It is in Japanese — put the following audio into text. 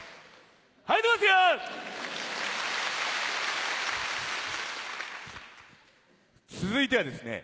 はいてますよ！続いてはですね